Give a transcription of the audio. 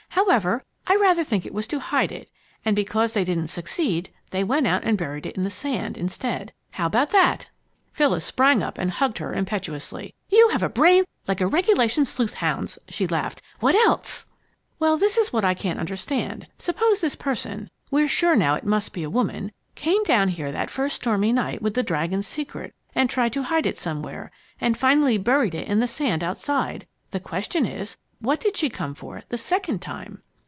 However, I rather think it was to hide it. And because they didn't succeed, they went out and buried it in the sand, instead. How about that?" Phyllis sprang up and hugged her impetuously. "You have a brain like a regulation sleuth hound's!" she laughed. "What else?" "Well, this is what I can't understand. Suppose this person (we're sure now it must be a woman) came down here that first stormy night with 'The Dragon's Secret,' and tried to hide it somewhere, and finally buried it in the sand outside. The question is, what did she come for the second time?"